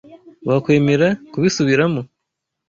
Wakwemera kubisubiramo?